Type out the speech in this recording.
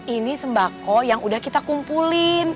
ini sembako yang udah kita kumpulin